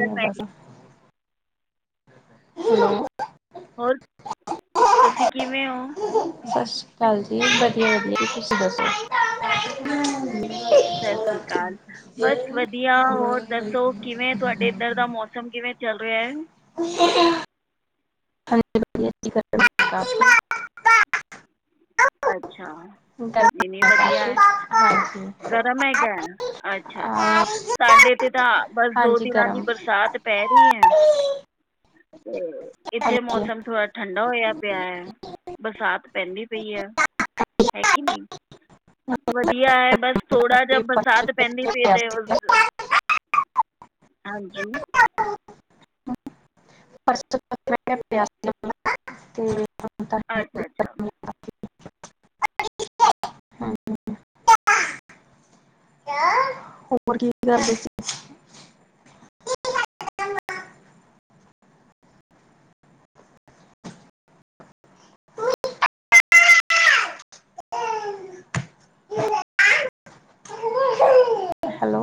ਭੈਣ ਦਾਸ [unintelligible] ਹੋਰ ਤੁਸੀਂ ਕਿਵੇਂ ਹੋ ਸਤਿ ਸ਼੍ਰੀ ਅਕਾਲ ਜੀ ਵਧੀਆ ਵਧੀਆ ਜੀ ਤੁਸੀਂ ਦੱਸੋ ਸਤਿ ਸ੍ਰੀ ਅਕਾਲ ਬਸ ਵਧੀਆ ਹੋਰ ਦੱਸੋ ਕਿਵੇਂ ਤੁਹਾਡੇ ਇਏਧਰ ਦਾ ਮੌਸਮ ਕਿਵੇਂ ਚੱਲ ਰਿਹਾ ਹੈ [unintelligible] ਅੱਛਾ ਅੱਛਾ ਗਰਮ ਇਨੀ ਵਧੀਆ ਹੈ ਕਾਫੀ। ਗਰਮ ਹੈਗਾ ਹੈ ਅੱਛਾ ਅੱਛਾ ਹਾਂਜੀ ਅ ਸਾਡੇਥੇ ਤਾਂ ਬਸ ਦੋ ਹਾਂਜੀ ਦਿਨਾਂ ਦੀ ਗਰਮ ਬਰਸਾਤ ਪੈ ਰਹੀ ਹੈ ਤੇ ਇੱਥੇ ਹਾਂਜੀ ਮੌਸਮ ਥੋੜਾ ਠੰਡਾ ਹੋਇਆ ਪਿਆ ਹੈ ਬਰਸਾਤ ਪੈਂਦੀ ਪਈ ਹੈ [unintelligible] ਵਧੀਆ ਹੈ ਬਸ ਥੋੜਾ ਜ ਕਾਫੀ ਪਰਸੋਂ ਬਰਸਾਤ ਪਹਿਦੀ ਚੌਥੇ ਪਈ ਪਿਆ ਤੇ ਸੀਗਾ ਹਾਂਜੀ [unintelligible] ਹੈ ਨੀ ਅੱਛਾ ਅੱਛਾ ਗਰਮੀ ਹੋਰ ਕੀ ਕਰਦੇ ਹੈਲੋ